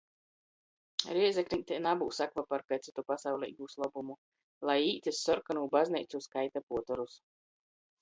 Rēzekneitē nabyus akvaparka i cytu pasauleigūs lobumu. Lai īt iz Sorkonū bazneicu skaita puoterus!